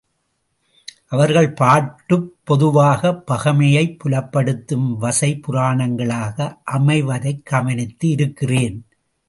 அவர்கள் பாட்டுப் பொதுவாகப் பகைமையைப் புலப்படுத்தும் வசை புராணங்களாக அமைவதைக் கவனித்து இருக்கிறேன்.